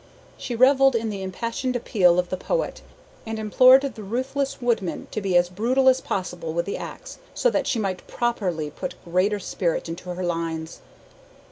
She reveled in the impassioned appeal of the poet, and implored the ruthless woodman to be as brutal as possible with the axe, so that she might properly put greater spirit into her lines.